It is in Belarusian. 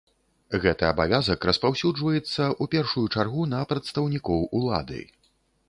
Гэты абавязак распаўсюджваецца, у першую чаргу, на прадстаўнікоў улады.